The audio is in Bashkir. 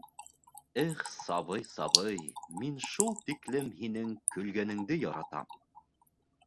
Эх, сабый, сабый, мин шул тиклем һинең көлгәнеңде яратам!